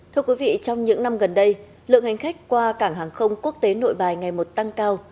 thưa quý vị trong những năm gần đây lượng hành khách qua cảng hàng không quốc tế nội bài ngày một tăng cao